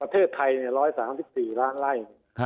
ประเทศไทย๑๓๔ล้านไร่